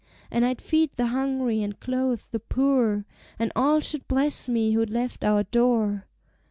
"And I'd feed the hungry and clothe the poor, And all should bless me who left our door."